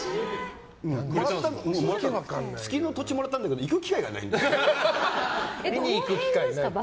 月の土地もらったんだけど行く機会がない。